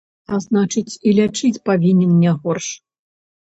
А значыць, і лячыць павінен не горш.